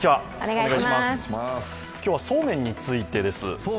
今日はそうめんについてです。